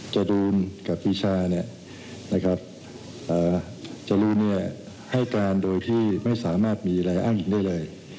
จรูมกับพี่ชานะครับจะรู้ให้การโดยที่ไม่สามารถมีอะไรอ้างหรือด้วยเลย